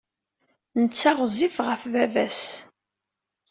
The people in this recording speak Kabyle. Netta i ɣezzif ɣef baba-s.